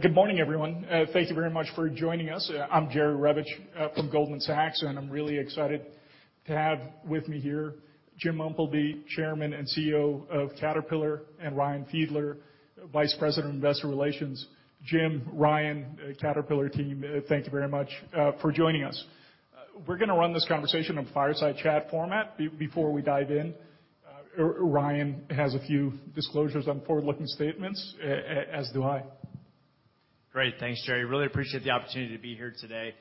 Good morning, everyone. Thank you very much for joining us. I'm Jerry Revich, from Goldman Sachs, and I'm really excited to have with me here Jim Umpleby, Chairman and CEO of Caterpillar, and Ryan Fiedler, Vice President of Investor Relations. Jim, Ryan, Caterpillar team, thank you very much for joining us. We're gonna run this conversation in fireside chat format. Before we dive in, Ryan has a few disclosures on forward-looking statements, as do I. Great. Thanks, Jerry. Really appreciate the opportunity to be here today.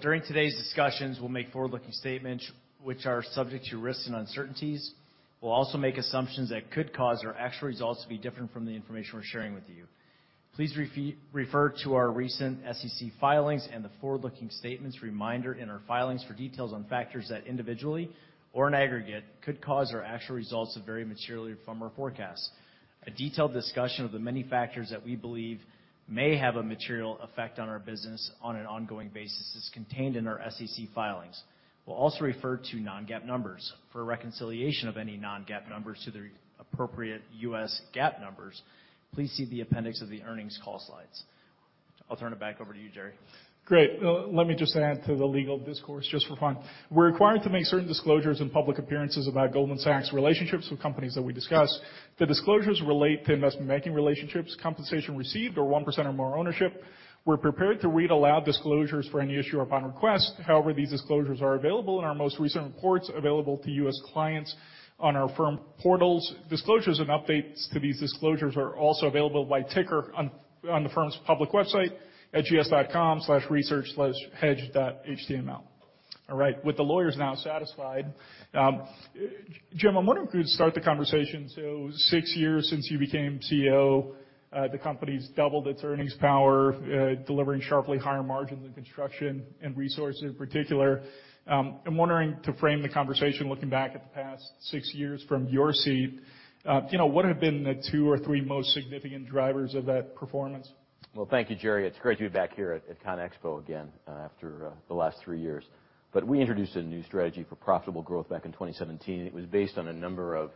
During today's discussions, we'll make forward-looking statements which are subject to risks and uncertainties. We'll also make assumptions that could cause our actual results to be different from the information we're sharing with you. Please refer to our recent SEC filings and the forward-looking statements reminder in our filings for details on factors that individually or in aggregate could cause our actual results to vary materially from our forecasts. A detailed discussion of the many factors that we believe may have a material effect on our business on an ongoing basis is contained in our SEC filings. We'll also refer to non-GAAP numbers. For a reconciliation of any non-GAAP numbers to their appropriate U.S. GAAP numbers, please see the appendix of the earnings call slides. I'll turn it back over to you, Jerry. Great. Let me just add to the legal discourse just for fun. We're required to make certain disclosures and public appearances about Goldman Sachs' relationships with companies that we discuss. The disclosures relate to investment banking relationships, compensation received or 1% or more ownership. We're prepared to read aloud disclosures for any issuer upon request. However, these disclosures are available in our most recent reports available to U.S. clients on our firm portals. Disclosures and updates to these disclosures are also available by ticker on the firm's public website at gs.com/research/hedge.html. All right, with the lawyers now satisfied, Jim, I'm wondering if we could start the conversation. Six years since you became CEO, the company's doubled its earnings power, delivering sharply higher margins in construction and resources in particular. I'm wondering, to frame the conversation looking back at the past six years from your seat, you know, what have been the two or three most significant drivers of that performance? Well, thank you, Jerry. It's great to be back here at CONEXPO again, after the last three years. We introduced a new strategy for profitable growth back in 2017. It was based on a number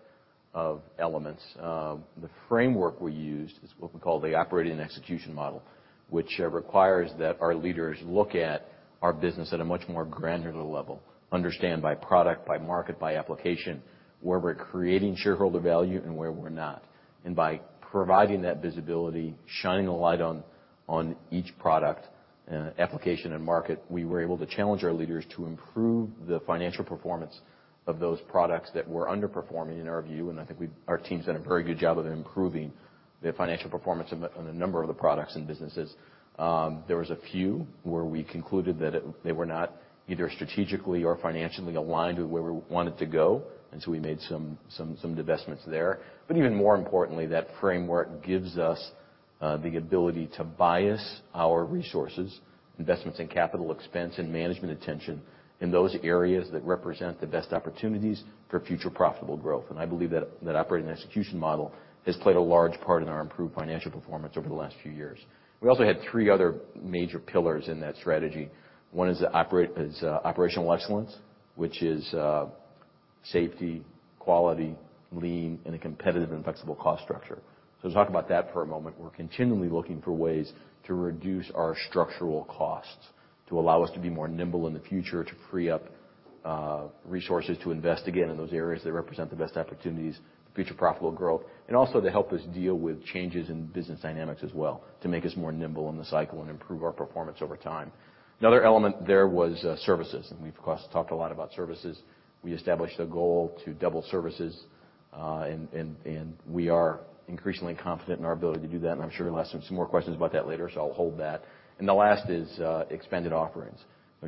of elements. The framework we used is what we call the Operating & Execution Model, which requires that our leaders look at our business at a much more granular level, understand by product, by market, by application, where we're creating shareholder value and where we're not. By providing that visibility, shining a light on each product, application, and market, we were able to challenge our leaders to improve the financial performance of those products that were underperforming in our view. I think our team's done a very good job of improving the financial performance on a number of the products and businesses. There was a few where we concluded that they were not either strategically or financially aligned with where we wanted to go, and so we made some divestments there. Even more importantly, that framework gives us the ability to bias our resources, investments in capital expense and management attention in those areas that represent the best opportunities for future profitable growth. I believe that Operating & Execution Model has played a large part in our improved financial performance over the last few years. We also had three other major pillars in that strategy. One is operational excellence, which is safety, quality, lean, and a competitive and flexible cost structure. Talk about that for a moment. We're continually looking for ways to reduce our structural costs to allow us to be more nimble in the future, to free up resources to invest, again, in those areas that represent the best opportunities for future profitable growth, and also to help us deal with changes in business dynamics as well, to make us more nimble in the cycle and improve our performance over time. Another element there was services, and we've, of course, talked a lot about services. We established a goal to double services, and we are increasingly confident in our ability to do that, and I'm sure you'll ask some more questions about that later, I'll hold that. The last is expanded offerings.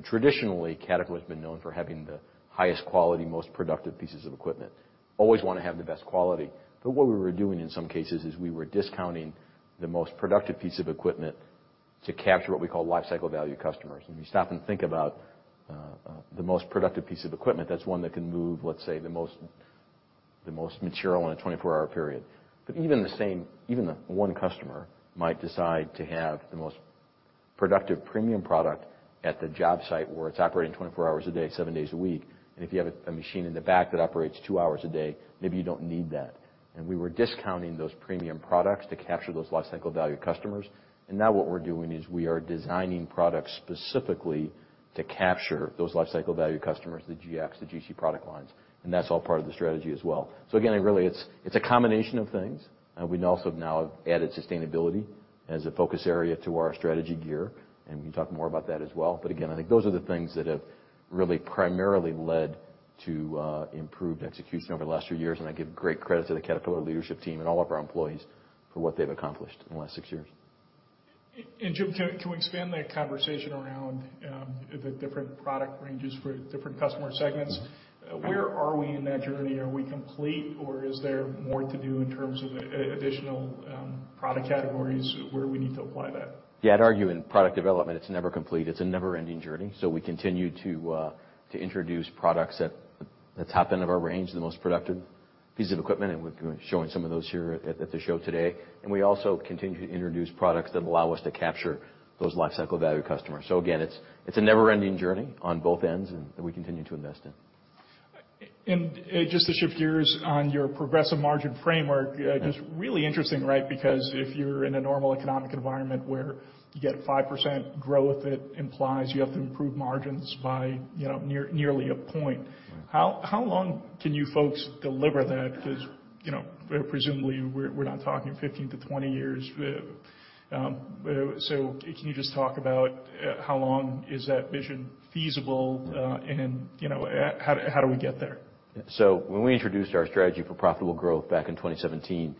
Traditionally, Caterpillar has been known for having the highest quality, most productive pieces of equipment. Always wanna have the best quality, what we were doing in some cases is we were discounting the most productive piece of equipment to capture what we call lifecycle value customers. When you stop and think about the most productive piece of equipment, that's one that can move, let's say, the most material in a 24 hr period. Even the one customer might decide to have the most productive premium product at the job site where it's operating 24 hrs a day, seven days a week. If you have a machine in the back that operates 2 hrs a day, maybe you don't need that. We were discounting those premium products to capture those lifecycle value customers. Now what we're doing is we are designing products specifically to capture those lifecycle value customers, the GXs, the GC product lines, and that's all part of the strategy as well. Again, really, it's a combination of things. We also have now added sustainability as a focus area to our strategy gear, and we can talk more about that as well. Again, I think those are the things that have really primarily led to improved execution over the last few years, and I give great credit to the Caterpillar leadership team and all of our employees for what they've accomplished in the last six years. Jim, can we expand that conversation around the different product ranges for different customer segments? Mm-hmm. Where are we in that journey? Are we complete, or is there more to do in terms of additional, product categories where we need to apply that? Yeah, I'd argue in product development, it's never complete. It's a never-ending journey. We continue to introduce products at the top end of our range, the most productive piece of equipment, and we're gonna be showing some of those here at the show today. We also continue to introduce products that allow us to capture those lifecycle value customers. Again, it's a never-ending journey on both ends, and we continue to invest in. Just to shift gears on your progressive margin framework. Yes... just really interesting, right? Because if you're in a normal economic environment where you get 5% growth, it implies you have to improve margins by, you know, nearly a point. Mm-hmm. How long can you folks deliver that? 'Cause, you know, presumably we're not talking 15-20 years. Can you just talk about, how long is that vision feasible? Mm-hmm... and, you know, how do we get there? When we introduced our strategy for profitable growth back in 2017,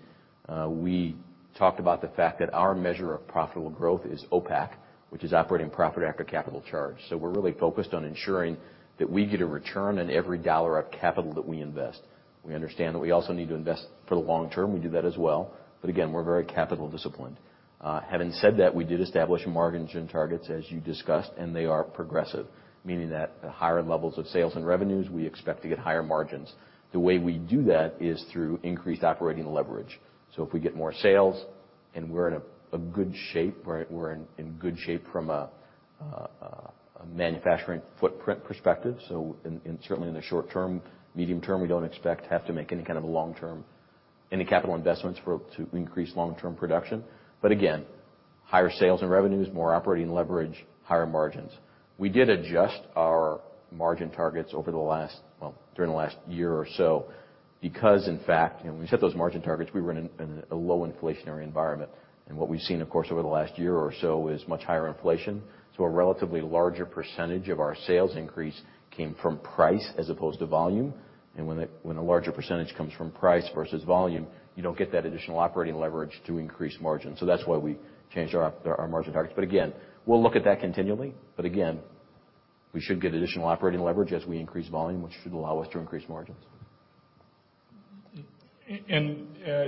we talked about the fact that our measure of profitable growth is OPACC, which is operating profit after capital charge. We're really focused on ensuring that we get a return on every dollar of capital that we invest. We understand that we also need to invest for the long term. We do that as well. Again, we're very capital disciplined. Having said that, we did establish margin targets, as you discussed, and they are progressive, meaning that the higher levels of sales and revenues, we expect to get higher margins. The way we do that is through increased operating leverage. If we get more sales and we're in a good shape, we're in good shape from a manufacturing footprint perspective. In certainly in the short term, medium term, we don't expect to have to make any kind of long-term, any capital investments for, to increase long-term production. Again, higher sales and revenues, more operating leverage, higher margins. We did adjust our margin targets over the last, well, during the last year or so because in fact, when we set those margin targets, we were in a low inflationary environment. What we've seen, of course, over the last year or so is much higher inflation to a relatively larger percentage of our sales increase came from price as opposed to volume. When a larger percentage comes from price versus volume, you don't get that additional operating leverage to increase margin. That's why we changed our margin targets. Again, we'll look at that continually. Again, we should get additional operating leverage as we increase volume, which should allow us to increase margins.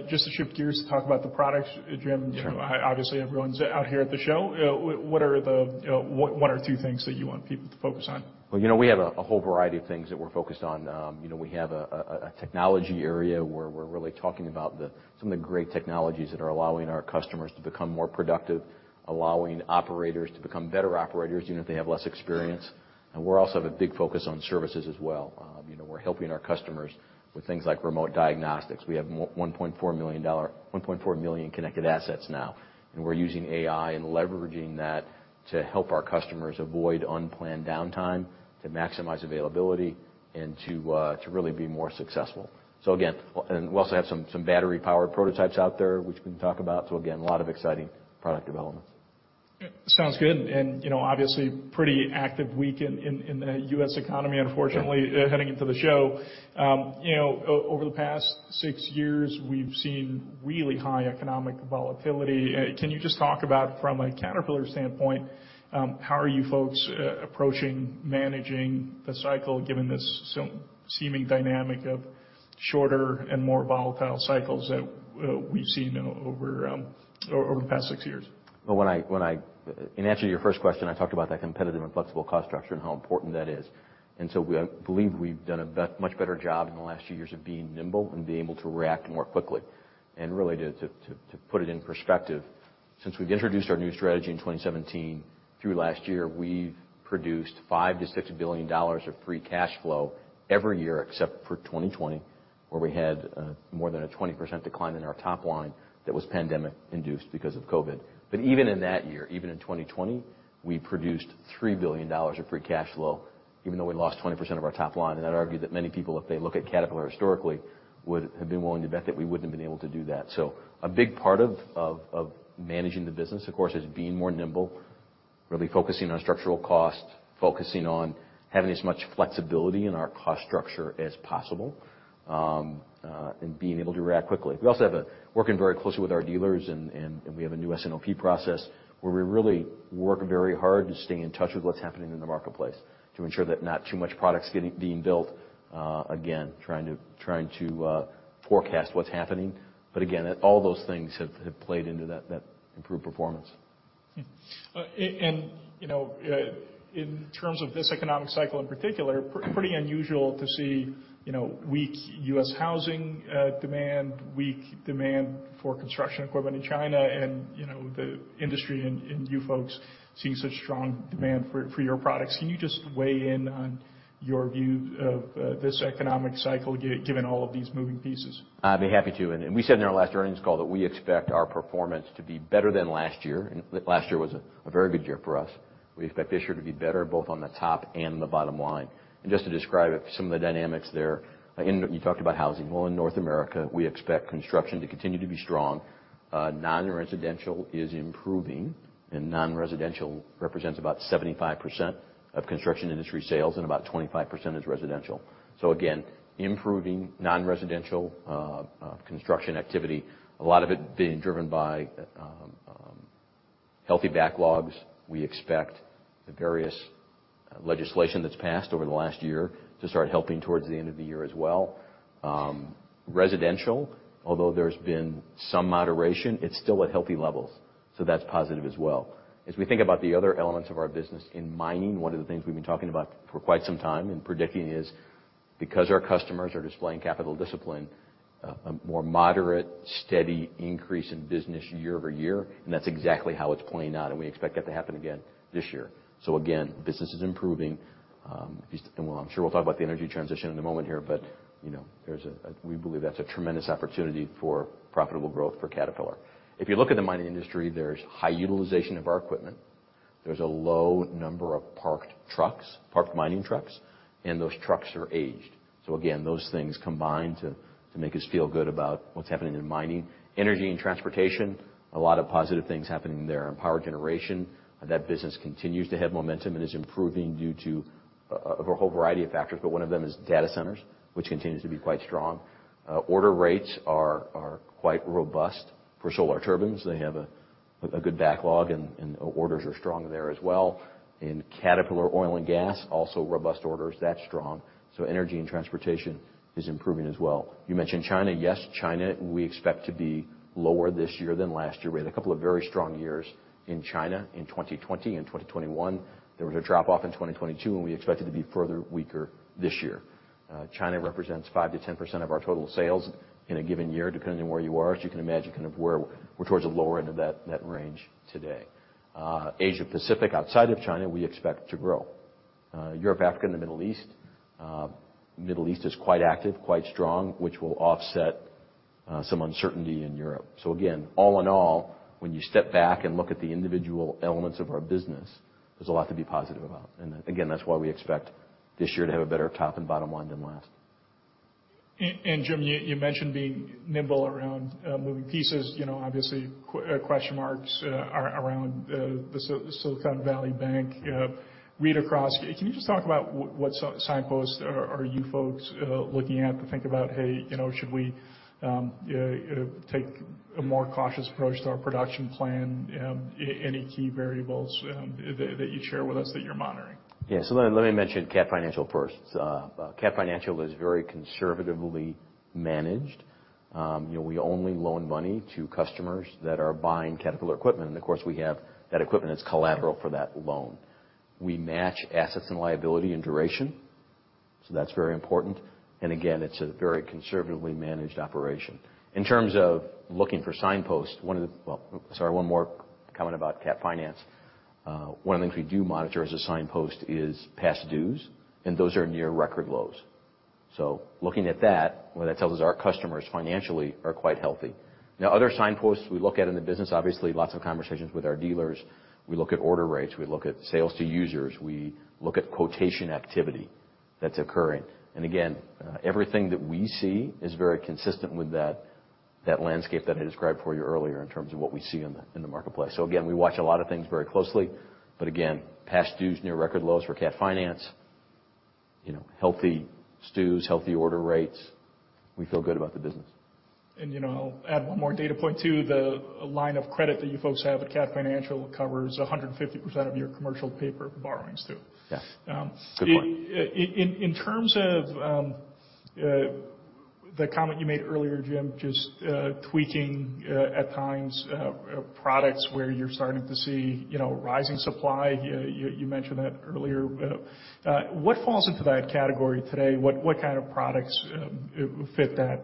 Just to shift gears to talk about the products, Jim, Sure... you know, obviously everyone's out here at the show. What are the one or two things that you want people to focus on? Well, you know, we have a whole variety of things that we're focused on. You know, we have a technology area where we're really talking about the some of the great technologies that are allowing our customers to become more productive, allowing operators to become better operators, even if they have less experience. We also have a big focus on services as well. You know, we're helping our customers with things like remote diagnostics. We have 1.4 million connected assets now, and we're using AI and leveraging that to help our customers avoid unplanned downtime, to maximize availability and to really be more successful. Again, we also have some battery-powered prototypes out there which we can talk about. Again, a lot of exciting product developments. Sounds good. You know, obviously pretty active week in the U.S. economy, unfortunately. Yeah... heading into the show. You know, over the past six years, we've seen really high economic volatility. Can you just talk about from a Caterpillar standpoint, how are you folks approaching managing the cycle given this seeming dynamic of shorter and more volatile cycles that we've seen over the past six years? Well, in answer to your first question, I talked about that competitive and flexible cost structure and how important that is. So we believe we've done a much better job in the last few years of being nimble and being able to react more quickly. Really to put it in perspective, since we've introduced our new strategy in 2017 through last year, we've produced $5 billion-$6 billion of free cash flow every year except for 2020, where we had more than a 20% decline in our top line that was pandemic induced because of COVID. Even in that year, even in 2020, we produced $3 billion of free cash flow, even though we lost 20% of our top line. I'd argue that many people, if they look at Caterpillar historically, would have been willing to bet that we wouldn't have been able to do that. A big part of managing the business, of course, is being more nimble, really focusing on structural cost, focusing on having as much flexibility in our cost structure as possible, and being able to react quickly. We also have working very closely with our dealers and we have a new SNLP process where we really work very hard to stay in touch with what's happening in the marketplace to ensure that not too much product's being built, again, trying to forecast what's happening. Again, all those things have played into that improved performance. You know, in terms of this economic cycle in particular, pretty unusual to see, you know, weak U.S. housing demand, weak demand for construction equipment in China and, you know, the industry and you folks seeing such strong demand for your products. Can you just weigh in on your view of this economic cycle given all of these moving pieces? I'd be happy to. We said in our last earnings call that we expect our performance to be better than last year, and last year was a very good year for us. We expect this year to be better, both on the top and the bottom line. Just to describe it, some of the dynamics there, and you talked about housing. Well, in North America, we expect construction to continue to be strong. Non-residential is improving, and non-residential represents about 75% of Construction Industries sales and about 25% is residential. Again, improving non-residential construction activity, a lot of it being driven by healthy backlogs. We expect the various legislation that's passed over the last year to start helping towards the end of the year as well. Residential, although there's been some moderation, it's still at healthy levels, so that's positive as well. As we think about the other elements of our business in mining, one of the things we've been talking about for quite some time and predicting is because our customers are displaying capital discipline, a more moderate, steady increase in business year-over-year, and that's exactly how it's playing out, and we expect that to happen again this year. Again, business is improving, and well, I'm sure we'll talk about the energy transition in a moment here, but, you know, there's We believe that's a tremendous opportunity for profitable growth for Caterpillar. If you look at the mining industry, there's high utilization of our equipment. There's a low number of parked trucks, parked mining trucks, and those trucks are aged. Again, those things combine to make us feel good about what's happening in mining. Energy & Transportation, a lot of positive things happening there. In power generation, that business continues to have momentum and is improving due to a whole variety of factors, but one of them is data centers, which continues to be quite strong. Order rates are quite robust for Solar Turbines. They have a good backlog and orders are strong there as well. In Caterpillar Oil and Gas, also robust orders. That's strong. Energy & Transportation is improving as well. You mentioned China. Yes, China we expect to be lower this year than last year. We had a couple of very strong years in China in 2020 and 2021. There was a drop-off in 2022, and we expect it to be further weaker this year. China represents 5%-10% of our total sales in a given year, depending on where you are. As you can imagine, kind of where we're towards the lower end of that range today. Asia Pacific, outside of China, we expect to grow. Europe, Africa, and the Middle East, Middle East is quite active, quite strong, which will offset some uncertainty in Europe. Again, all in all, when you step back and look at the individual elements of our business, there's a lot to be positive about. Again, that's why we expect this year to have a better top and bottom line than last. Jim, you mentioned being nimble around moving pieces. You know, obviously, question marks around the Silicon Valley Bank read across. Can you just talk about what signposts are you folks looking at to think about, "Hey, you know, should we take a more cautious approach to our production plan?" Any key variables that you'd share with us that you're monitoring? Let me mention Cat Financial first. Cat Financial is very conservatively managed. you know, we only loan money to customers that are buying Caterpillar equipment, and of course, we have that equipment as collateral for that loan. We match assets and liability in duration, that's very important. Again, it's a very conservatively managed operation. In terms of looking for signposts, Well, sorry, one more comment about Cat Financial. One of the things we do monitor as a signpost is past dues, and those are near record lows. Looking at that, what that tells us, our customers financially are quite healthy. Other signposts we look at in the business, obviously lots of conversations with our dealers. We look at order rates. We look at Sales to Users. We look at quotation activity that's occurring. Again, everything that we see is very consistent with that landscape that I described for you earlier in terms of what we see in the marketplace. Again, we watch a lot of things very closely, but again, past dues near record lows for Cat Finance, you know, healthy STUs, healthy order rates. We feel good about the business. you know, I'll add one more data point too. The line of credit that you folks have at Cat Financial covers 150% of your commercial paper borrowings, too. Yes. Good point. In terms of the comment you made earlier, Jim, just tweaking at times products where you're starting to see, you know, rising supply. You mentioned that earlier. What falls into that category today? What kind of products fit that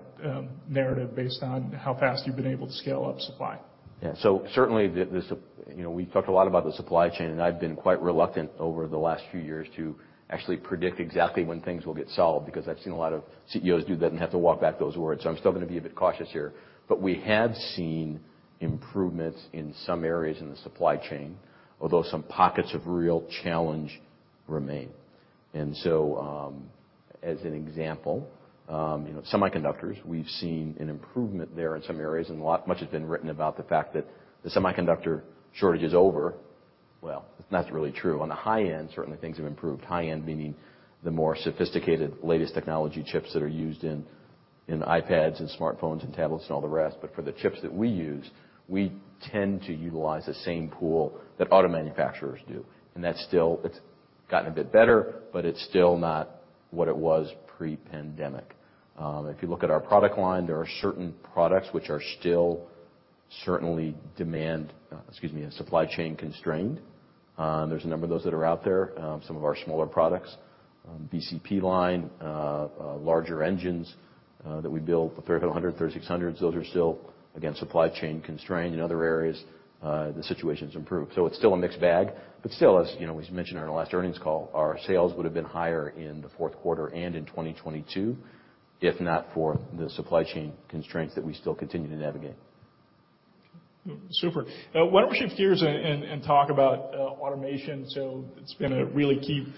narrative based on how fast you've been able to scale up supply? Certainly, you know, we've talked a lot about the supply chain, and I've been quite reluctant over the last few years to actually predict exactly when things will get solved because I've seen a lot of CEOs do that and have to walk back those words. I'm still gonna be a bit cautious here. We have seen improvements in some areas in the supply chain, although some pockets of real challenge remain. As an example, you know, semiconductors, we've seen an improvement there in some areas, and much has been written about the fact that the semiconductor shortage is over. Well, that's not really true. On the high end, certainly things have improved. High end meaning the more sophisticated latest technology chips that are used in iPads and smartphones and tablets and all the rest. For the chips that we use, we tend to utilize the same pool that auto manufacturers do, and that's still, it's gotten a bit better, but it's still not what it was pre-pandemic. If you look at our product line, there are certain products which are still certainly demand, excuse me, supply chain constrained. There's a number of those that are out there, some of our smaller products, BCP line, larger engines that we build, the 3,300, 3,600, those are still, again, supply chain constrained. In other areas, the situation's improved. It's still a mixed bag, but still, as you know, as we mentioned in our last earnings call, our sales would have been higher in the fourth quarter and in 2022 if not for the supply chain constraints that we still continue to navigate. Super. Why don't we shift gears and talk about automation? It's been a really key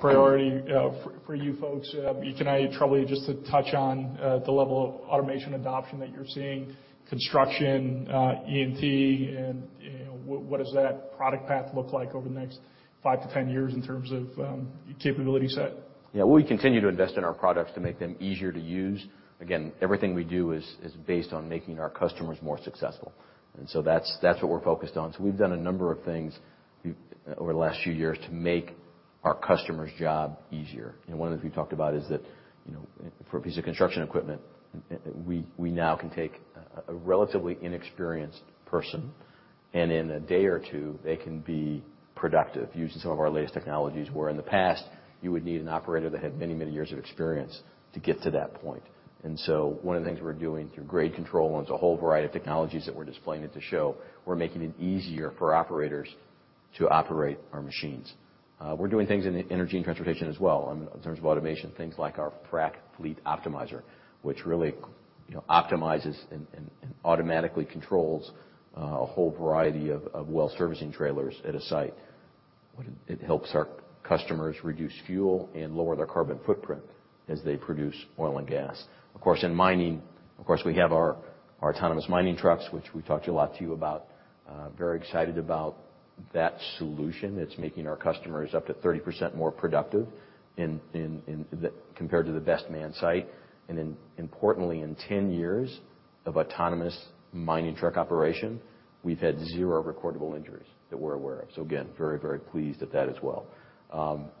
priority for you folks. Can I trouble you just to touch on the level of automation adoption that you're seeing, construction, E&T, and, you know, what does that product path look like over the next 5-10 years in terms of capability set? Yeah. We continue to invest in our products to make them easier to use. Again, everything we do is based on making our customers more successful. That's what we're focused on. We've done a number of things over the last few years to make our customers' job easier. One of the things we talked about is that, you know, for a piece of construction equipment, we now can take a relatively inexperienced person. In a day or two, they can be productive using some of our latest technologies, where in the past, you would need an operator that had many, many years of experience to get to that point. One of the things we're doing through Cat Grade and there's a whole variety of technologies that we're displaying at the show, we're making it easier for operators to operate our machines. We're doing things in Energy & Transportation as well, in terms of automation, things like our Frac Fleet Optimizer, which really, you know, optimizes and automatically controls a whole variety of well servicing trailers at a site. It helps our customers reduce fuel and lower their carbon footprint as they produce oil and gas. Of course, in mining, we have our autonomous mining trucks, which we've talked a lot to you about. Very excited about that solution. It's making our customers up to 30% more productive in the compared to the best manned site. Importantly, in 10 years of autonomous mining truck operation, we've had zero recordable injuries that we're aware of. Again, very, very pleased at that as well.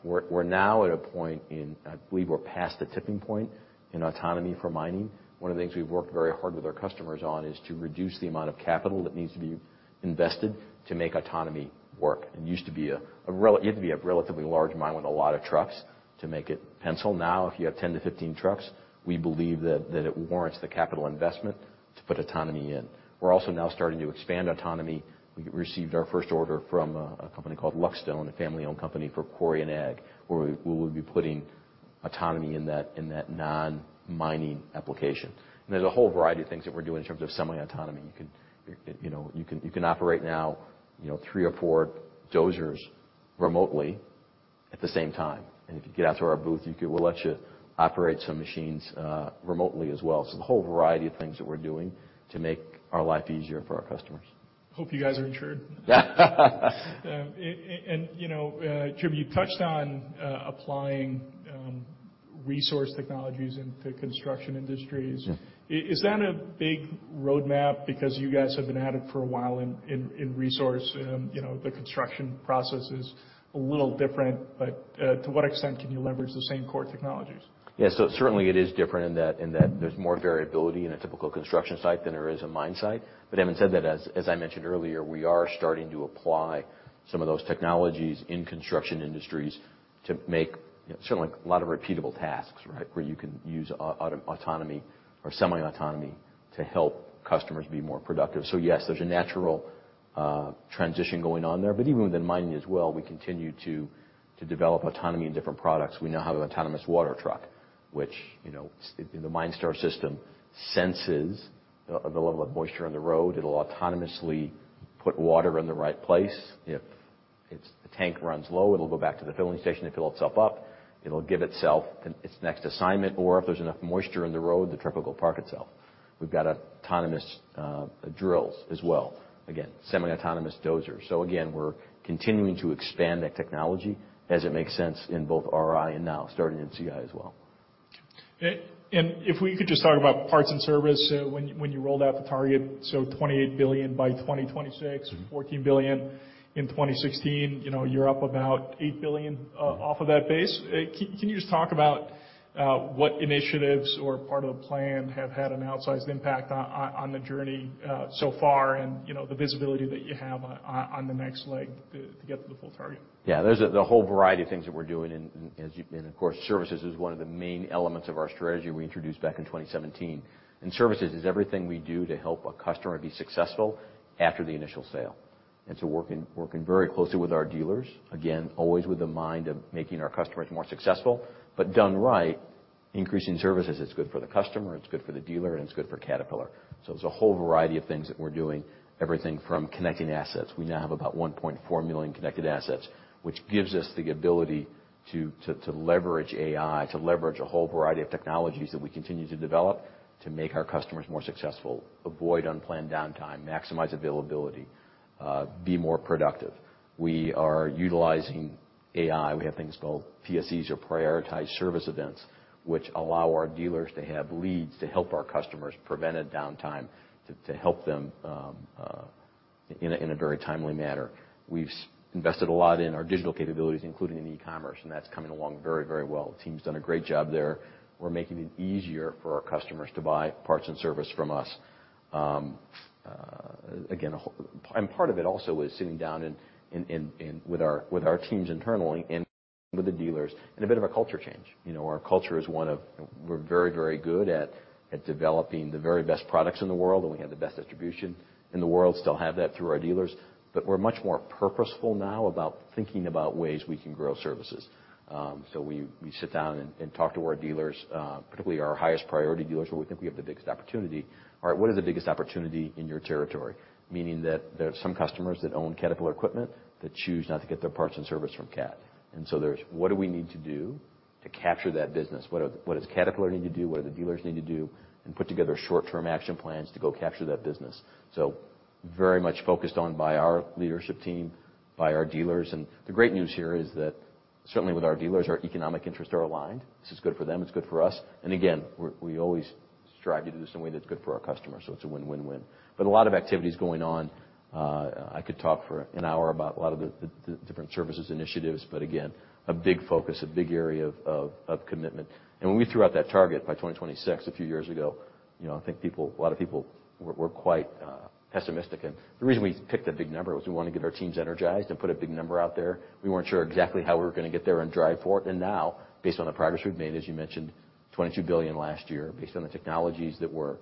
We're now at a point in I believe we're past the tipping point in autonomy for mining. One of the things we've worked very hard with our customers on is to reduce the amount of capital that needs to be invested to make autonomy work. It used to be you had to be a relatively large mine with a lot of trucks to make it pencil. Now, if you have 10-15 trucks, we believe that it warrants the capital investment to put autonomy in. We're also now starting to expand autonomy. We received our first order from a company called Luck Stone, a family-owned company for Quarry and Ag, where we'll be putting autonomy in that non-mining application. There's a whole variety of things that we're doing in terms of semi-autonomy. You know, you can operate now, you know, three or four dozers remotely at the same time. If you get out to our booth, we'll let you operate some machines remotely as well. There's a whole variety of things that we're doing to make our life easier for our customers. Hope you guys are insured. You know, Jim, you touched on applying resource technologies into Construction Industries. Mm. Is that a big roadmap because you guys have been at it for a while in resource, you know, the construction process is a little different, but to what extent can you leverage the same core technologies? Certainly it is different in that there's more variability in a typical construction site than there is a mine site. But having said that, as I mentioned earlier, we are starting to apply some of those technologies in Construction Industries to make, you know, certainly a lot of repeatable tasks, right? Where you can use autonomy or semi-autonomy to help customers be more productive. Yes, there's a natural transition going on there, but even within mining as well, we continue to develop autonomy in different products. We now have an autonomous water truck, which, you know, in the MineStar system senses the level of moisture on the road. It'll autonomously put water in the right place. If its tank runs low, it'll go back to the filling station to fill itself up. It'll give itself its next assignment. If there's enough moisture in the road, the truck will park itself. We've got autonomous drills as well. Again, semi-autonomous dozers. Again, we're continuing to expand that technology as it makes sense in both RI and now starting in CI as well. If we could just talk about parts and service when you rolled out the target, $28 billion by 2026. Mm. $14 billion in 2016. You know, you're up about $8 billion. Off of that base. Can you just talk about what initiatives or part of the plan have had an outsized impact on the journey so far, and, you know, the visibility that you have on the next leg to get to the full target? Yeah. There's a whole variety of things that we're doing. Of course, services is one of the main elements of our strategy we introduced back in 2017. Services is everything we do to help a customer be successful after the initial sale. Working very closely with our dealers, again, always with the mind of making our customers more successful, but done right, increasing services, it's good for the customer, it's good for the dealer, and it's good for Caterpillar. It's a whole variety of things that we're doing, everything from connecting assets. We now have about 1.4 million connected assets, which gives us the ability to leverage AI, to leverage a whole variety of technologies that we continue to develop to make our customers more successful, avoid unplanned downtime, maximize availability, be more productive. We are utilizing AI. We have things called PSEs or Prioritized Service Events, which allow our dealers to have leads to help our customers prevent a downtime, to help them in a very timely manner. We've invested a lot in our digital capabilities, including in eCommerce. That's coming along very, very well. The team's done a great job there. We're making it easier for our customers to buy parts and service from us. Again, part of it also is sitting down and with our teams internally and with the dealers and a bit of a culture change. You know, our culture is one of we're very, very good at developing the very best products in the world, and we have the best distribution in the world, still have that through our dealers, but we're much more purposeful now about thinking about ways we can grow services. We sit down and talk to our dealers, particularly our highest priority dealers where we think we have the biggest opportunity. All right, what is the biggest opportunity in your territory? Meaning that there are some customers that own Caterpillar equipment that choose not to get their parts and service from Cat. There's what do we need to do to capture that business? What does Caterpillar need to do? What do the dealers need to do? Put together short-term action plans to go capture that business. Very much focused on by our leadership team, by our dealers. The great news here is that certainly with our dealers, our economic interests are aligned. This is good for them. It's good for us. Again, we always strive to do this in a way that's good for our customers, so it's a win-win-win. A lot of activities going on. I could talk for an hour about a lot of the different services initiatives, but again, a big focus, a big area of commitment. When we threw out that target by 2026 a few years ago, you know, I think a lot of people were quite pessimistic. The reason we picked a big number was we wanna get our teams energized and put a big number out there. We weren't sure exactly how we were gonna get there and drive for it. Now, based on the progress we've made, as you mentioned, $22 billion last year, based on the technologies that we're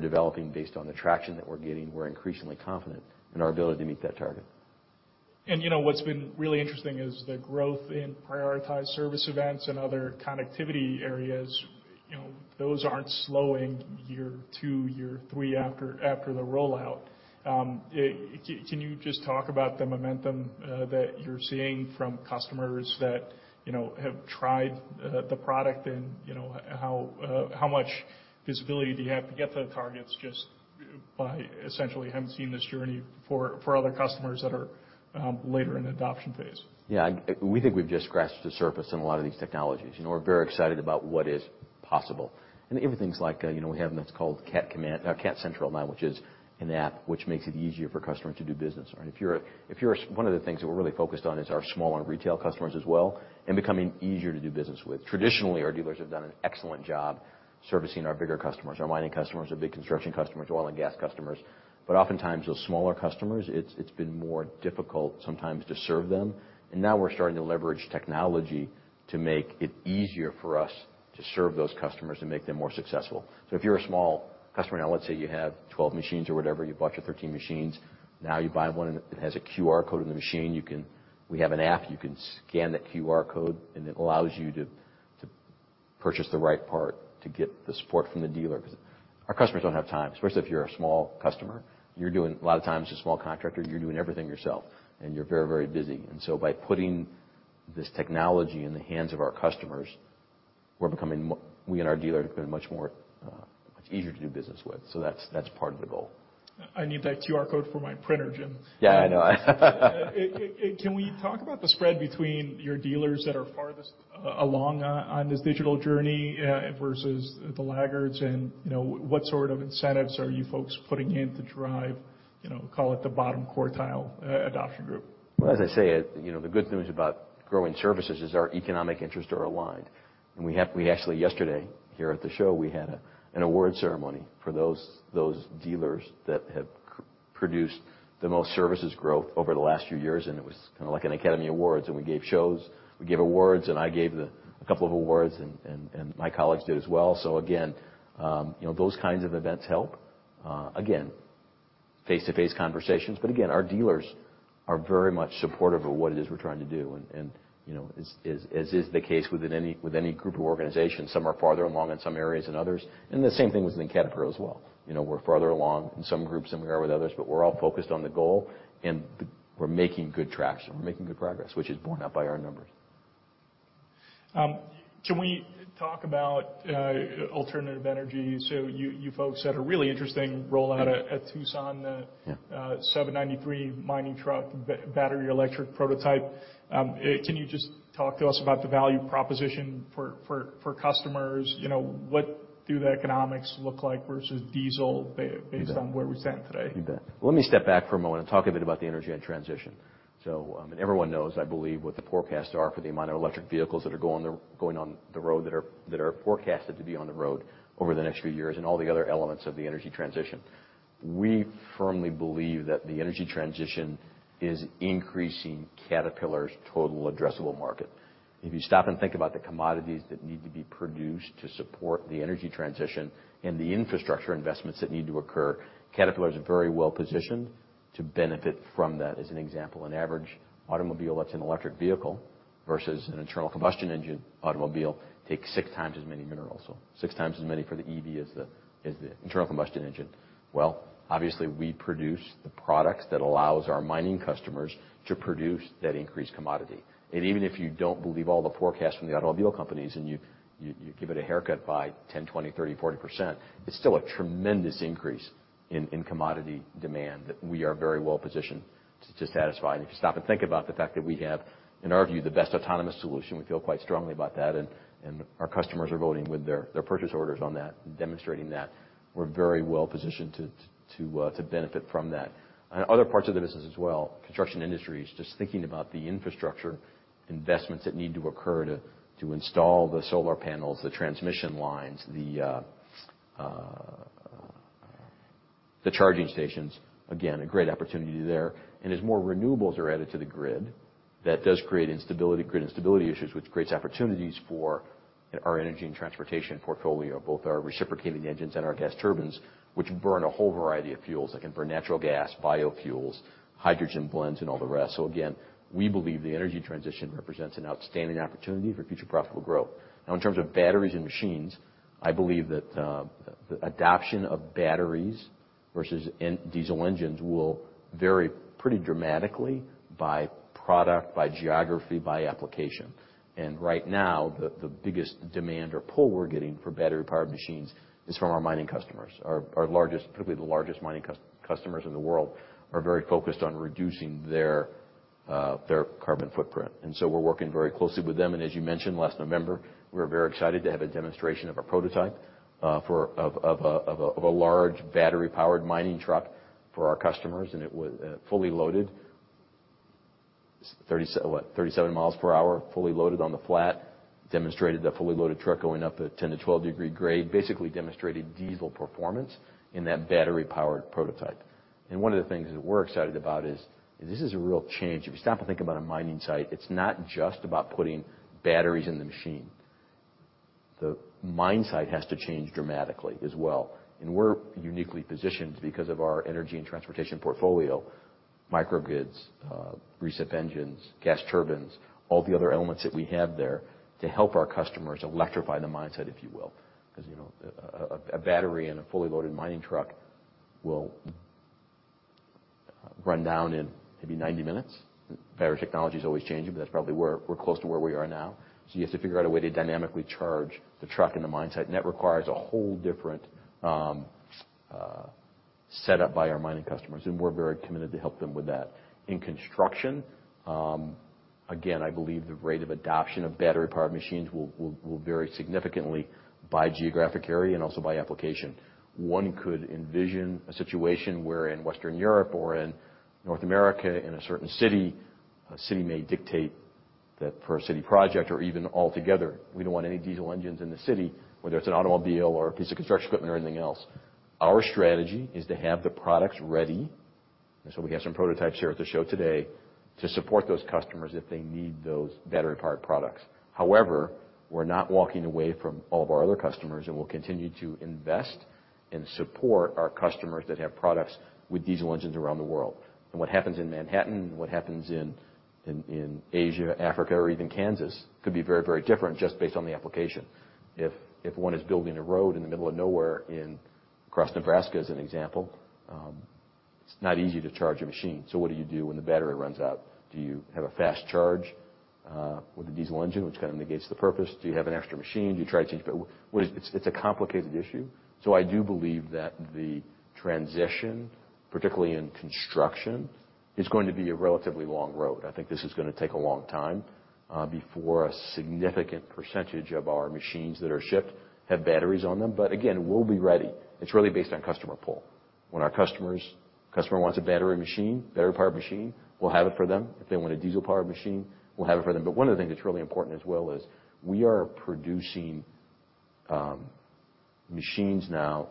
developing, based on the traction that we're getting, we're increasingly confident in our ability to meet that target. You know, what's been really interesting is the growth in Prioritized Service Events and other connectivity areas, you know, those aren't slowing year two, year three after the rollout. Can you just talk about the momentum that you're seeing from customers that, you know, have tried the product and, you know, how much visibility do you have to get to the targets just by essentially having seen this journey for other customers that are later in the adoption phase? Yeah. We think we've just scratched the surface in a lot of these technologies, and we're very excited about what is possible. Everything's like, you know, we have what's called Cat Central now, which is an app which makes it easier for customers to do business. One of the things that we're really focused on is our smaller retail customers as well, and becoming easier to do business with. Traditionally, our dealers have done an excellent job servicing our bigger customers, our mining customers, our big construction customers, oil and gas customers. Oftentimes, those smaller customers, it's been more difficult sometimes to serve them. Now we're starting to leverage technology to make it easier for us to serve those customers and make them more successful. If you're a small customer now, let's say you have 12 machines or whatever, you bought your 13 machines, now you buy one and it has a QR code on the machine. We have an app, you can scan that QR code, and it allows you to purchase the right part to get the support from the dealer. Our customers don't have time, especially if you're a small customer. You're doing, a lot of times, a small contractor, you're doing everything yourself, and you're very, very busy. By putting this technology in the hands of our customers, we and our dealer are becoming much more, much easier to do business with. That's part of the goal. I need that QR code for my printer, Jim. Yeah, I know. Can we talk about the spread between your dealers that are farthest along on this digital journey versus the laggards? You know, what sort of incentives are you folks putting in to drive, you know, call it the bottom quartile adoption group? Well, as I say, you know, the good news about growing services is our economic interests are aligned. We actually, yesterday, here at the show, we had an award ceremony for those dealers that have produced the most services growth over the last few years, and it was kinda like an Academy Awards. We gave shows, we gave awards, and I gave the, a couple of awards, and my colleagues did as well. Again, you know, those kinds of events help. Again, face-to-face conversations. Again, our dealers are very much supportive of what it is we're trying to do. You know, as, as is the case with any group or organization, some are farther along in some areas than others. The same thing within Caterpillar as well. You know, we're farther along in some groups than we are with others, but we're all focused on the goal, and we're making good traction. We're making good progress, which is borne out by our numbers. Can we talk about alternative energy? You, you folks had a really interesting rollout at Tucson. Yeah. 793 mining truck battery electric prototype. Can you just talk to us about the value proposition for customers? You know, what do the economics look like versus diesel based on where we stand today? You bet. Let me step back for a moment and talk a bit about the Energy & Transportation. And everyone knows, I believe, what the forecasts are for the amount of electric vehicles that are going on the road, that are forecasted to be on the road over the next few years, and all the other elements of the energy transition. We firmly believe that the energy transition is increasing Caterpillar's total addressable market. If you stop and think about the commodities that need to be produced to support the energy transition and the infrastructure investments that need to occur, Caterpillar is very well positioned to benefit from that. As an example, an average automobile that's an electric vehicle versus an internal combustion engine automobile takes 6x as many minerals. 6x as many for the EV as the internal combustion engine. Obviously, we produce the products that allows our mining customers to produce that increased commodity. Even if you don't believe all the forecasts from the automobile companies and you give it a haircut by 10%, 20%, 30%, 40%, it's still a tremendous increase in commodity demand that we are very well positioned to satisfy. If you stop and think about the fact that we have, in our view, the best autonomous solution, we feel quite strongly about that, and our customers are voting with their purchase orders on that and demonstrating that, we're very well positioned to benefit from that. Other parts of the business as well, Construction Industries, just thinking about the infrastructure investments that need to occur to install the solar panels, the transmission lines, the charging stations, again, a great opportunity there. As more renewables are added to the grid, that does create instability issues, which creates opportunities for our Energy & Transportation portfolio, both our reciprocating engines and our gas turbines, which burn a whole variety of fuels. They can burn natural gas, biofuels, hydrogen blends, and all the rest. Again, we believe the energy transition represents an outstanding opportunity for future profitable growth. In terms of batteries and machines, I believe that the adoption of batteries versus in diesel engines will vary pretty dramatically by product, by geography, by application. Right now, the biggest demand or pull we're getting for battery-powered machines is from our mining customers. Our largest, probably the largest mining customers in the world are very focused on reducing their carbon footprint. We're working very closely with them. As you mentioned, last November, we were very excited to have a demonstration of a prototype of a large battery-powered mining truck for our customers, and it was fully loaded. 37 mi per hour, fully loaded on the flat, demonstrated the fully loaded truck going up a 10-12 degree grade. Basically demonstrated diesel performance in that battery-powered prototype. One of the things that we're excited about is, this is a real change. If you stop to think about a mining site, it's not just about putting batteries in the machine. The mine site has to change dramatically as well. We're uniquely positioned because of our Energy & Transportation portfolio, microgrids, reciprocating engines, gas turbines, all the other elements that we have there to help our customers electrify the mine site, if you will, because a battery in a fully loaded mining truck will run down in maybe 90 min. Battery technology is always changing, that's probably where we're close to where we are now. You have to figure out a way to dynamically charge the truck in the mine site, and that requires a whole different setup by our mining customers, and we're very committed to help them with that. In construction, again, I believe the rate of adoption of battery-powered machines will vary significantly by geographic area and also by application. One could envision a situation where in Western Europe or in North America, in a certain city, a city may dictate that per city project or even altogether, we don't want any diesel engines in the city, whether it's an automobile or a piece of construction equipment or anything else. Our strategy is to have the products ready, and so we have some prototypes here at the show today to support those customers if they need those battery-powered products. However, we're not walking away from all of our other customers, and we'll continue to invest and support our customers that have products with diesel engines around the world. What happens in Manhattan, what happens in Asia, Africa, or even Kansas, could be very, very different just based on the application. If one is building a road in the middle of nowhere in across Nebraska, as an example, it's not easy to charge a machine. What do you do when the battery runs out? Do you have a fast charge with a diesel engine which kinda negates the purpose? Do you have an extra machine? Do you try to change? It's a complicated issue. I do believe that the transition, particularly in construction, is going to be a relatively long road. I think this is gonna take a long time before a significant percentage of our machines that are shipped have batteries on them. Again, we'll be ready. It's really based on customer pull. When our customer wants a battery machine, battery-powered machine, we'll have it for them. If they want a diesel-powered machine, we'll have it for them. One of the things that's really important as well is, we are producing machines now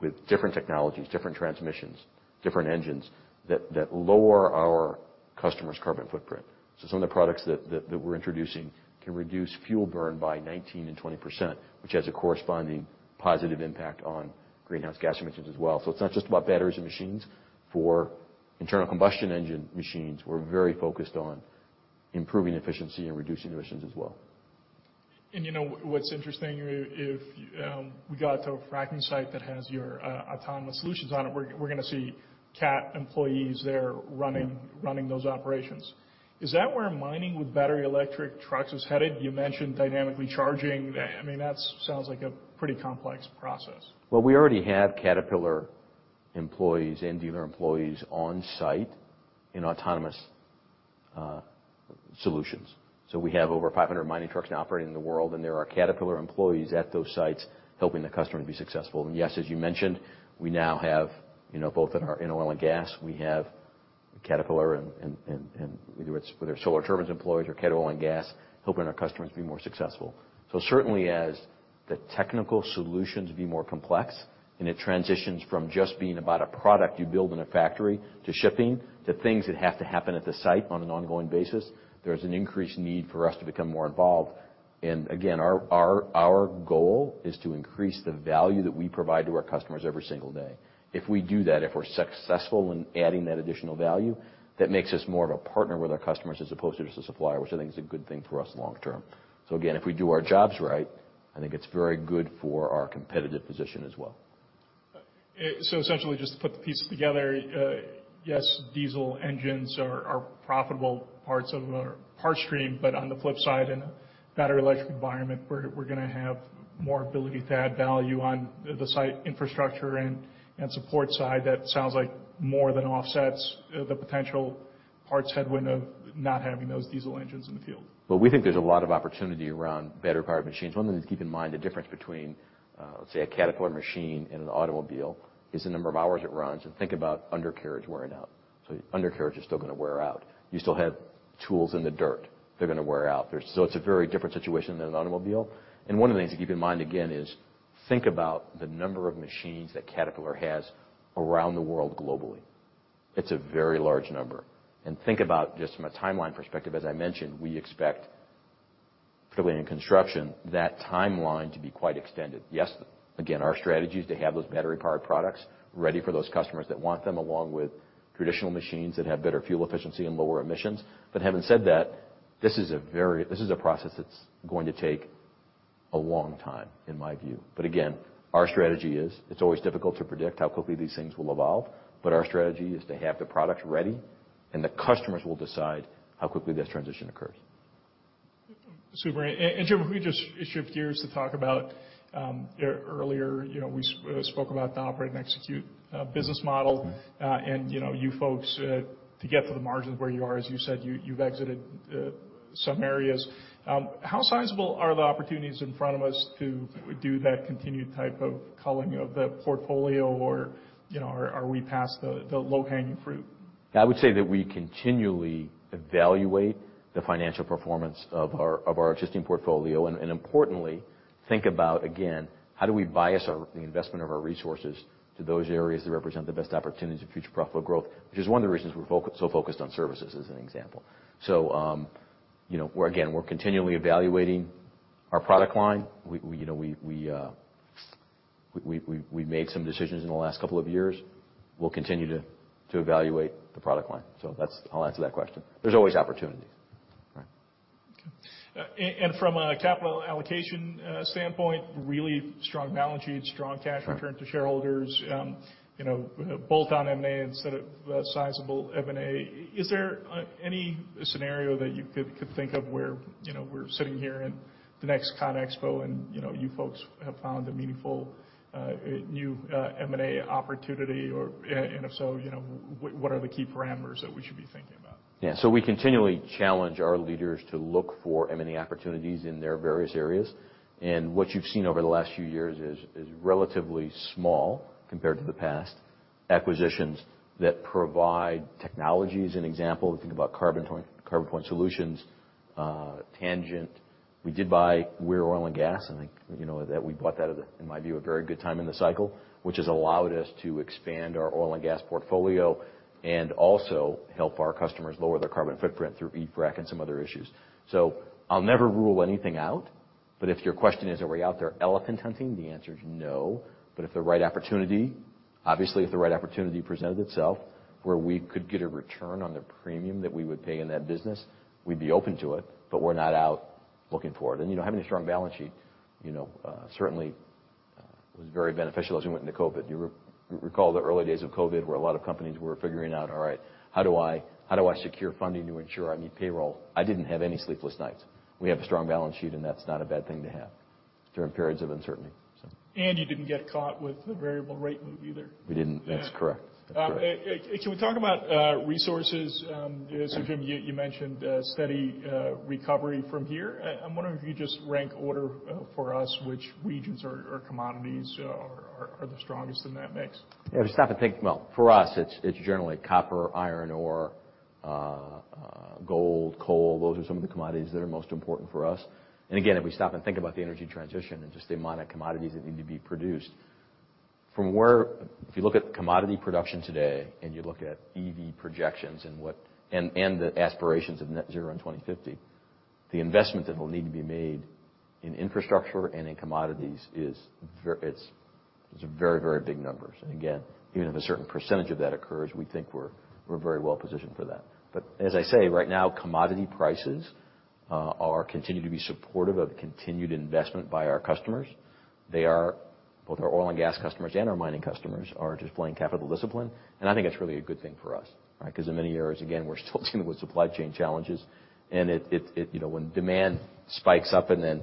with different technologies, different transmissions, different engines that lower our customer's carbon footprint. Some of the products that we're introducing can reduce fuel burn by 19% and 20%, which has a corresponding positive impact on greenhouse gas emissions as well. It's not just about batteries and machines. For internal combustion engine machines, we're very focused on improving efficiency and reducing emissions as well. you know what's interesting, if we got to a fracking site that has your autonomous solutions on it, we're gonna see Cat employees there running-running those operations. Is that where mining with battery electric trucks is headed? You mentioned dynamically charging. I mean, that's sounds like a pretty complex process. Well, we already have Caterpillar employees and dealer employees on site in autonomous solutions. We have over 500 mining trucks now operating in the world, and there are Caterpillar employees at those sites helping the customer to be successful. Yes, as you mentioned, we now have, you know, both in our, in oil and gas, we have Caterpillar and whether it's Solar Turbines employees or Cat Oil and Gas, helping our customers be more successful. Certainly, as the technical solutions be more complex and it transitions from just being about a product you build in a factory to shipping, to things that have to happen at the site on an ongoing basis, there's an increased need for us to become more involved. Again, our goal is to increase the value that we provide to our customers every single day. If we do that, if we're successful in adding that additional value, that makes us more of a partner with our customers as opposed to just a supplier, which I think is a good thing for us long term. Again, if we do our jobs right, I think it's very good for our competitive position as well. Essentially, just to put the pieces together, yes, diesel engines are profitable parts of our parts stream, but on the flip side, in a battery electric environment, we're gonna have more ability to add value on the site infrastructure and support side. That sounds like more than offsets the potential parts headwind of not having those diesel engines in the field. Well, we think there's a lot of opportunity around battery-powered machines. One thing to keep in mind, the difference between, let's say, a Caterpillar machine and an automobile is the number of hours it runs. Think about undercarriage wearing out. Undercarriage is still gonna wear out. You still have tools in the dirt. They're gonna wear out. It's a very different situation than an automobile. One of the things to keep in mind, again, is think about the number of machines that Caterpillar has around the world globally. It's a very large number. Think about just from a timeline perspective, as I mentioned, we expect, particularly in construction, that timeline to be quite extended. Yes, again, our strategy is to have those battery-powered products ready for those customers that want them, along with traditional machines that have better fuel efficiency and lower emissions. Having said that, this is a process that's going to take a long time, in my view. Again, our strategy is, it's always difficult to predict how quickly these things will evolve, but our strategy is to have the product ready, and the customers will decide how quickly this transition occurs. Super. Jim, if we just shift gears to talk about, earlier, you know, we spoke about the Operating & Execution Model. Mm-hmm. You know, you folks, to get to the margins where you are, as you said, you've exited, some areas. How sizable are the opportunities in front of us to do that continued type of culling of the portfolio or, you know, are we past the low-hanging fruit? I would say that we continually evaluate the financial performance of our existing portfolio, and importantly, think about, again, how do we bias the investment of our resources to those areas that represent the best opportunities of future profitable growth, which is one of the reasons we're so focused on services, as an example. you know, we're again, we're continually evaluating our product line. We, you know, we made some decisions in the last couple of years. We'll continue to evaluate the product line. That's how I'll answer that question. There's always opportunities. Right. Okay. From a capital allocation, standpoint, really strong balance sheet, strong cash return- Right. to shareholders, you know, bolt-on MA instead of sizable M&A. Is there any scenario that you could think of where, you know, we're sitting here in the next ConEXpo and, you know, you folks have found a meaningful new M&A opportunity or? If so, you know, what are the key parameters that we should be thinking about? Yeah. We continually challenge our leaders to look for M&A opportunities in their various areas. What you've seen over the last few years is relatively small compared to the past acquisitions that provide technology as an example. If you think about CarbonPoint Solutions, Tangent. We did buy Weir Oil & Gas, and, like, you know, that we bought that at, in my view, a very good time in the cycle, which has allowed us to expand our Oil and Gas portfolio and also help our customers lower their carbon footprint through eFrac and some other issues. I'll never rule anything out, but if your question is, are we out there elephant hunting? The answer is no. If the right opportunity, obviously, if the right opportunity presented itself where we could get a return on the premium that we would pay in that business, we'd be open to it, but we're not out looking for it. You know, having a strong balance sheet, you know, certainly was very beneficial as we went into COVID. You recall the early days of COVID, where a lot of companies were figuring out, all right, how do I secure funding to ensure I meet payroll? I didn't have any sleepless nights. We have a strong balance sheet, and that's not a bad thing to have during periods of uncertainty. You didn't get caught with the variable rate move either. We didn't. Yeah. That's correct. That's correct. Can we talk about resources? Jim, you mentioned a steady recovery from here. I'm wondering if you just rank order for us, which regions or commodities are the strongest in that mix. Yeah. If you stop and think, well, for us, it's generally copper, iron ore, gold, coal. Those are some of the commodities that are most important for us. Again, if we stop and think about the energy transition and just the amount of commodities that need to be produced. If you look at commodity production today and you look at EV projections and the aspirations of net zero in 2050, the investment that will need to be made in infrastructure and in commodities is very, very big numbers. Again, even if a certain percentage of that occurs, we think we're very well positioned for that. As I say, right now, commodity prices are continuing to be supportive of continued investment by our customers. They are, both our oil and gas customers and our mining customers are displaying capital discipline, and I think that's really a good thing for us, right? Because in many areas, again, we're still dealing with supply chain challenges. It, you know, when demand spikes up and then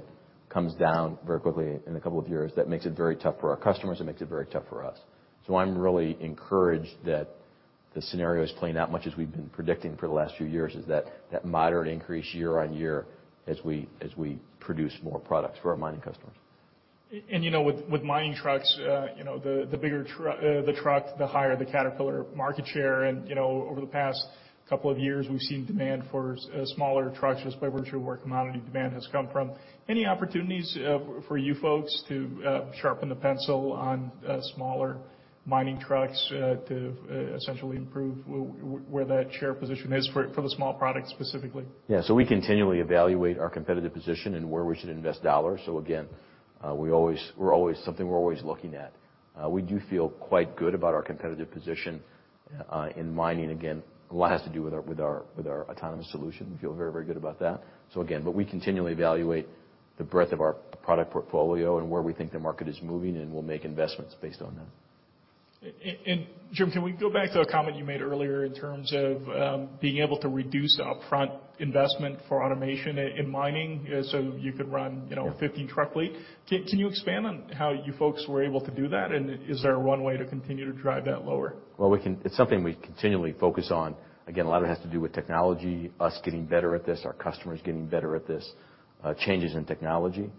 comes down very quickly in a couple of years, that makes it very tough for our customers, it makes it very tough for us. I'm really encouraged that the scenario is playing out much as we've been predicting for the last few years, is that moderate increase year-on-year as we produce more products for our mining customers. You know, with mining trucks, you know, the bigger the truck, the higher the Caterpillar market share. You know, over the past couple of years, we've seen demand for smaller trucks just by virtue of where commodity demand has come from. Any opportunities for you folks to sharpen the pencil on smaller mining trucks to essentially improve where that share position is for the small products specifically? We continually evaluate our competitive position and where we should invest dollars. Again, we're always looking at. We do feel quite good about our competitive position in mining. Again, a lot has to do with our autonomous solution. We feel very good about that. Again, we continually evaluate the breadth of our product portfolio and where we think the market is moving, and we'll make investments based on that. Jim, can we go back to a comment you made earlier in terms of, being able to reduce upfront investment for automation in mining, so you could run, you know, a 15 truck fleet? Can you expand on how you folks were able to do that? Is there a runway to continue to drive that lower? Well, it's something we continually focus on. Again, a lot of it has to do with technology, us getting better at this, our customers getting better at this, changes in technology.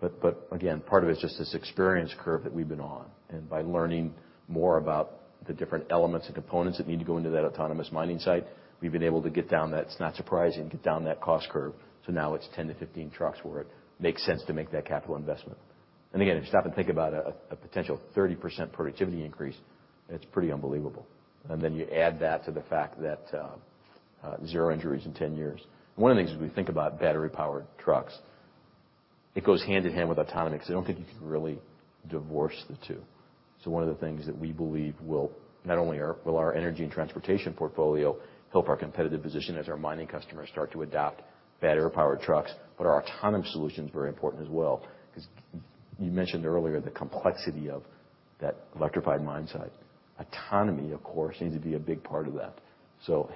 But again, part of it's just this experience curve that we've been on. By learning more about the different elements and components that need to go into that autonomous mining site, we've been able to get down that, it's not surprising, get down that cost curve. Now it's 10-15 trucks where it makes sense to make that capital investment. Again, if you stop and think about a potential 30% productivity increase, it's pretty unbelievable. You add that to the fact that zero injuries in 10 years. One of the things as we think about battery-powered trucks, it goes hand in hand with autonomy, because I don't think you can really divorce the two. One of the things that we believe will our Energy & Transportation portfolio help our competitive position as our mining customers start to adopt battery-powered trucks, but our autonomous solution is very important as well. 'Cause you mentioned earlier the complexity of that electrified mine site. Autonomy, of course, seems to be a big part of that.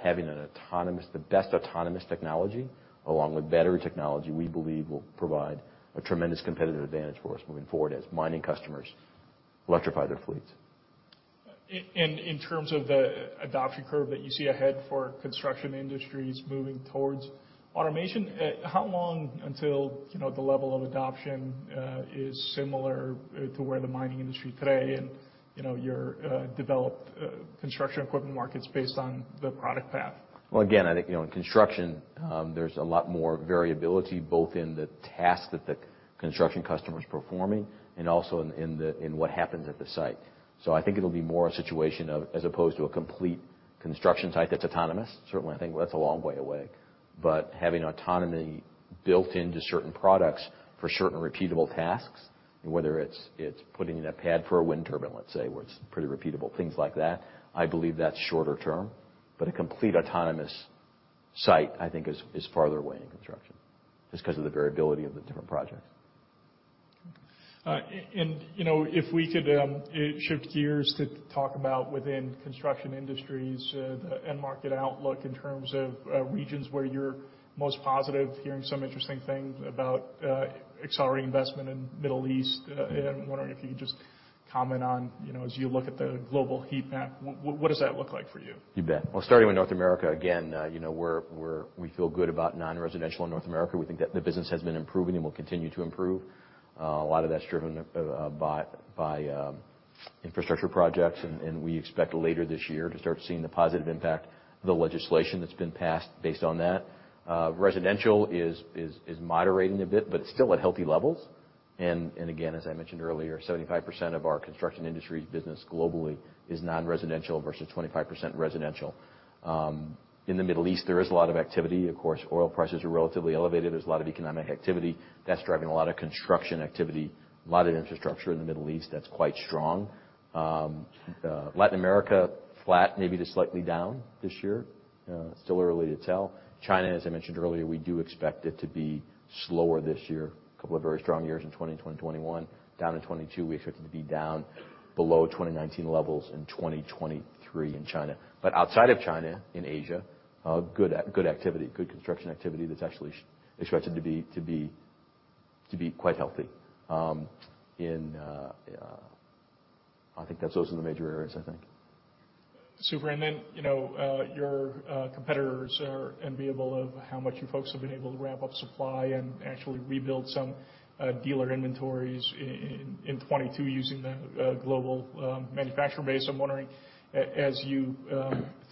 Having the best autonomous technology, along with battery technology, we believe will provide a tremendous competitive advantage for us moving forward as mining customers electrify their fleets. In terms of the adoption curve that you see ahead for Construction Industries moving towards automation, how long until, you know, the level of adoption is similar to where the mining industry today and, you know, your developed construction equipment market's based on the product path? Well, again, I think, you know, in construction, there's a lot more variability, both in the task that the construction customer is performing and also in what happens at the site. I think it'll be more a situation of, as opposed to a complete construction site that's autonomous, certainly I think that's a long way away, but having autonomy built into certain products for certain repeatable tasks, and whether it's putting in a pad for a wind turbine, let's say, where it's pretty repeatable, things like that, I believe that's shorter term. A complete autonomous site, I think is farther away in construction just 'cause of the variability of the different projects. If we could shift gears to talk about within Construction Industries, the end market outlook in terms of regions where you're most positive hearing some interesting things about accelerating investment in Middle East. I'm wondering if you could just comment on as you look at the global heat map, what does that look like for you? You bet. Well, starting with North America, again, you know, we feel good about non-residential in North America. We think that the business has been improving and will continue to improve. A lot of that's driven by infrastructure projects, we expect later this year to start seeing the positive impact of the legislation that's been passed based on that. Residential is moderating a bit, but it's still at healthy levels. Again, as I mentioned earlier, 75% of our Construction Industries business globally is non-residential versus 25% residential. In the Middle East, there is a lot of activity. Of course, oil prices are relatively elevated. There's a lot of economic activity. That's driving a lot of construction activity, a lot of infrastructure in the Middle East that's quite strong. Latin America, flat, maybe just slightly down this year. Still early to tell. China, as I mentioned earlier, we do expect it to be slower this year. A couple of very strong years in 2020 and 2021. Down in 2022. We expect it to be down below 2019 levels in 2023 in China. Outside of China, in Asia, good activity, good construction activity that's actually expected to be quite healthy. In... I think those are the major areas, I think. Super. You know, your competitors are enviable of how much you folks have been able to ramp up supply and actually rebuild some dealer inventories in 2022 using the global manufacturing base. I'm wondering, as you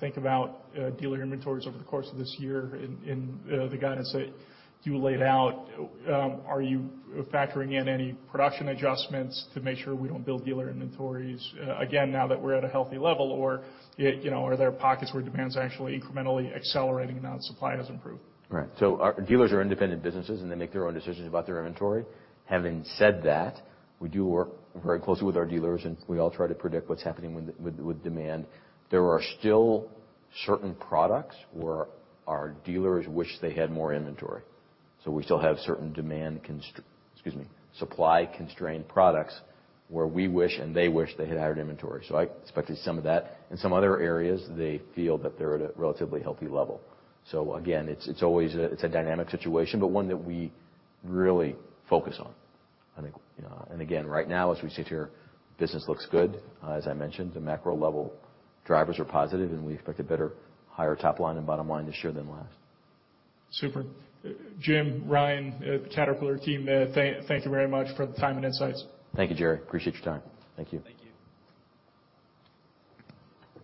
think about dealer inventories over the course of this year in the guidance that you laid out, are you factoring in any production adjustments to make sure we don't build dealer inventories again, now that we're at a healthy level? You know, are there pockets where demand's actually incrementally accelerating now and supply has improved? Our dealers are independent businesses, and they make their own decisions about their inventory. Having said that, we do work very closely with our dealers, and we all try to predict what's happening with demand. There are still certain products where our dealers wish they had more inventory. We still have certain demand supply-constrained products where we wish, and they wish they had higher inventory. I expect there's some of that. In some other areas, they feel that they're at a relatively healthy level. Again, it's always a dynamic situation, but one that we really focus on, I think. Again, right now, as we sit here, business looks good. As I mentioned, the macro level drivers are positive, and we expect a better, higher top line and bottom line this year than last. Super. Jim, Ryan, Caterpillar team, thank you very much for the time and insights. Thank you, Jerry. Appreciate your time. Thank you. Thank you.